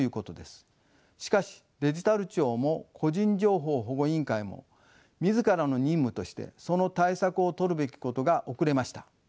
しかしデジタル庁も個人情報保護委員会も自らの任務としてその対策をとるべきことが遅れました。